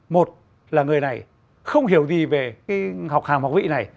một là người này không hiểu gì về cái học hàng học vị này